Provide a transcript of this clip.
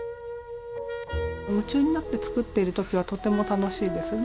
夢中になって作っている時はとても楽しいですね。